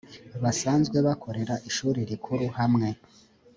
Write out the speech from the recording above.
basanzwe bakorera ishuri rikuru hamwe